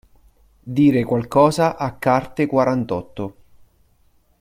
Dire qualcosa a carte quarantotto.